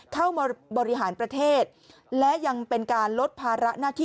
เข้ามาบริหารประเทศและยังเป็นการลดภาระหน้าที่ของสารวรรษนรัฐมนุน